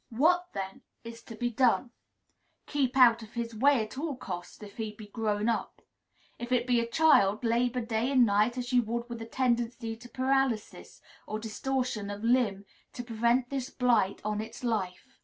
What, then, is to be done? Keep out of his way, at all costs, if he be grown up. If it be a child, labor day and night, as you would with a tendency to paralysis, or distortion of limb, to prevent this blight on its life.